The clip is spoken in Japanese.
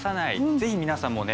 ぜひ皆さんもね